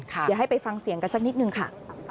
เดี๋ยวให้ไปฟังเสียงกันสักนิดนึงค่ะ